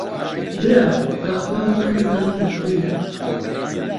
برا بەخوا وەمانزانی مردووی